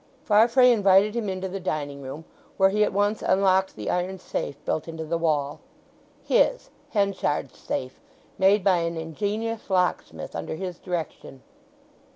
Farfrae invited him into the dining room, where he at once unlocked the iron safe built into the wall, his, Henchard's safe, made by an ingenious locksmith under his direction.